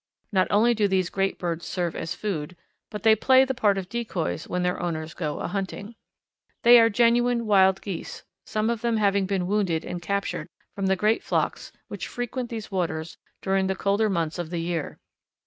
Not only do these great birds serve as food, but they play the part of decoys when their owners go ahunting. They are genuine Wild Geese, some of them having been wounded and captured from the great flocks which frequent these waters during the colder months of the year.